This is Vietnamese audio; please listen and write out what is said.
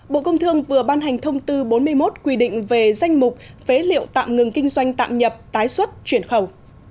bộ công thương vừa ban hành thông tư bốn mươi một quy định về danh mục phế liệu tạm ngừng kinh doanh tạm nhập tái xuất chuyển khẩu